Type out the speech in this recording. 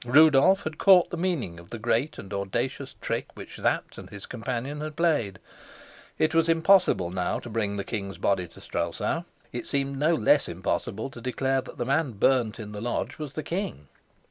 Rudolf had caught the meaning of the great and audacious trick which Sapt and his companion had played. It was impossible now to bring the king's body to Strelsau; it seemed no less impossible to declare that the man burnt in the lodge was the king.